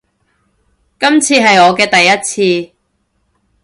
今次係我嘅第一次